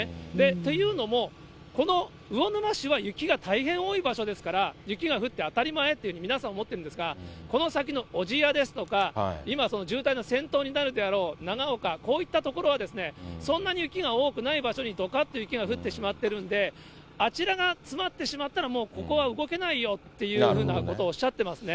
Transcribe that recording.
というのも、この魚沼市は雪が大変多い場所ですから、雪が降って当たり前というふうに皆さん、思ってるんですが、この先の小千谷ですとか、今、渋滞の先頭になるであろう長岡、こういった所はそんなに雪が多くない場所にどかっと雪が降ってしまっているんで、あちらが詰まってしまったら、もうここは動けないよっていうふうなことをおっしゃってますね。